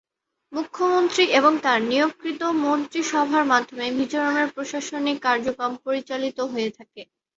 মুখ্যমন্ত্রী এবং তার নিয়োগকৃত মন্ত্রিসভার মাধ্যমে মিজোরামের প্রশাসনিক কার্যক্রম পরিচালিত হয়ে থাকে।